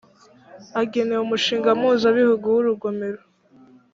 agenewe umushinga mpuzabihugu w urugomero